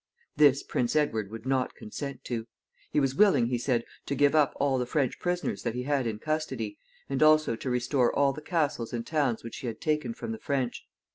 This Prince Edward would not consent to. He was willing, he said, to give up all the French prisoners that he had in custody, and also to restore all the castles and towns which he had taken from the French.